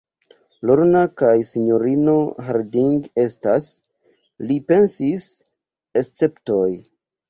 Lorna kaj sinjorino Harding estas, li pensis, esceptoj.